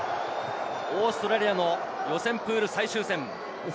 オーストラリアの予選プール最終戦。